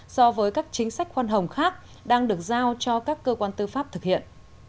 so với các chính sách khoan hồng khác đang được giao cho các cơ quan tư pháp thực hiện